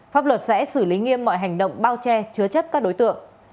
pháp luật sẽ xử lý nghiêm mọi hành động bao che chứa chấp các đối tượng